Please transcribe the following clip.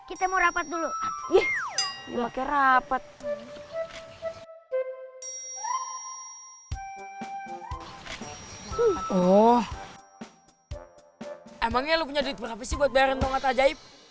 kita mau rapat dulu ih lo kera petuh oh emangnya lu punya duit berapa sih buat bayaran tongkat ajaib